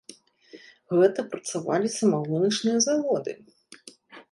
Гэта працавалі самагоначныя заводы.